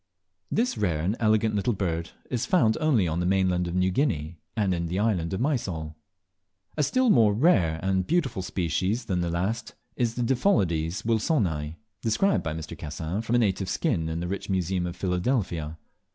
This rare and elegant little bird is found only on the mainland of New Guinea, and in the island of Mysol. A still more rare and beautiful species than the last is the Diphyllodes wilsoni, described by Mr. Cassin from a native skin in the rich museum of Philadelphia.